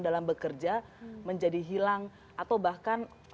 dalam bekerja menjadi hilang atau bahkan